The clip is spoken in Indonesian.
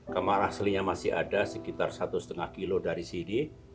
kamar aslinya masih ada sekitar satu lima kilo dari sini